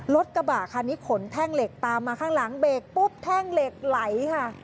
รถกระบะคันนี้ขนแท่งเหล็กตามมาข้างหลังเบรกปุ๊บแท่งเหล็กไหลค่ะ